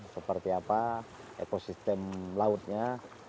seperti apa ekosistem lautnya